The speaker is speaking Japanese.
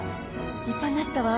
立派になったわ。